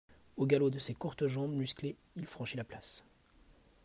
Au galop de ses courtes jambes musclées, il franchit la place.